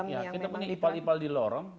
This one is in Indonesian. yang memang dipanggil kita punya ipal ipal di lorong